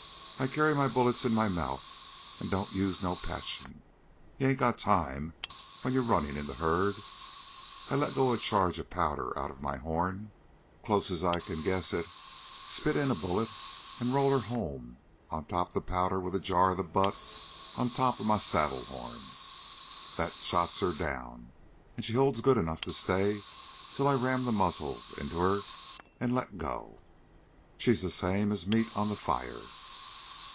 I kerry my bullets in my mouth an' don't use no patchin' ye hain't got time, when ye're runnin' in the herd. I let go a charge o' powder out'n my horn, clos't as I kin guess hit, spit in a bullet, and roll her home on top the powder with a jar o' the butt on top my saddle horn. That sots her down, an' she holds good enough to stay in till I ram the muzzle inter ha'r an' let go. She's the same as meat on the fire."